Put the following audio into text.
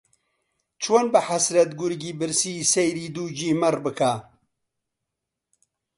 چۆن بە حەسرەت گورگی برسی سەیری دووگی مەڕ بکا